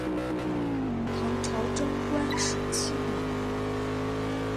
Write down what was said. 唐朝贞观十七年。